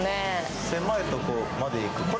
狭いところまで行く。